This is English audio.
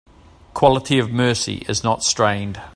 Quality of mercy is not strained